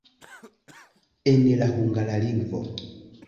En la hungara lingvo.